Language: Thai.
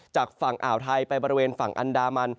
จากฝั่งอ่าวไทยไปบริเวณฝั่งอันดามัน